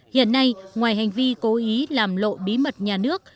hiện nay ngoài hành vi cố ý làm lộ bí mật nhà nước